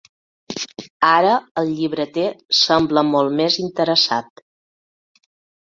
Ara el llibreter sembla molt més interessat.